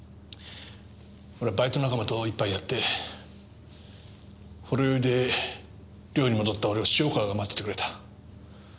俺はバイト仲間と一杯やってほろ酔いで寮に戻った俺を塩川が待っててくれた。